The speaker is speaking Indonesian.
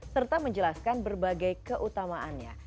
serta menjelaskan berbagai keutamaannya